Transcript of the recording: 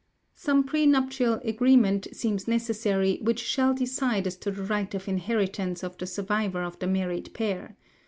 Some pre nuptial arrangement seems necessary which shall decide as to the right of inheritance of the survivor of the married pair.